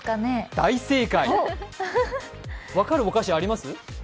大正解、分かるお菓子あります？